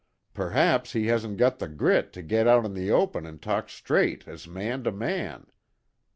P'r'aps he hasn't got the grit to get out in the open and talk straight as man to man.